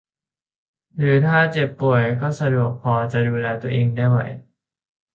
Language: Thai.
หรือถ้าเจ็บป่วยก็สะดวกพอจะดูแลตัวเองได้ไหว